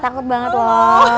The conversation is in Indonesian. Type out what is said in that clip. takut banget loh